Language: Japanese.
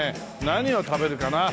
何を食べるかな。